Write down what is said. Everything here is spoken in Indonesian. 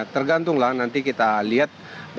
tergantunglah nanti kita lihat